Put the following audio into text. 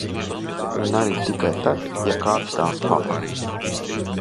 Un arī tikai tad, ja kāds tās pamana.